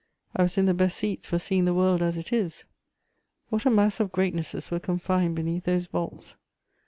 I was in the best seats for seeing the world as it is. What a mass of greatnesses were confined beneath those vaults!